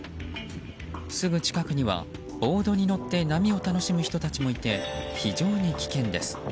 すぐ近くにはボードに乗って波を楽しむ人たちもいて非常に危険です。